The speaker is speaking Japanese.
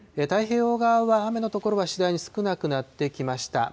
太平洋側は雨の所は次第に少なくなってきました。